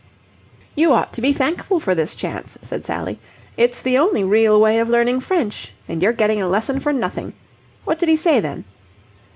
"You ought to be thankful for this chance," said Sally. "It's the only real way of learning French, and you're getting a lesson for nothing. What did he say then?"